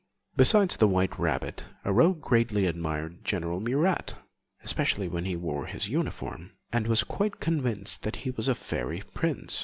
Besides the white rabbit, Aurore greatly admired General Murat (especially when he wore his uniform) and was quite convinced he was a fairy prince.